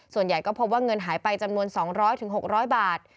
ส่วนใหญ่ก็พบว่าเงินหายไปจำนวน๒๐๐๖๐๐บาท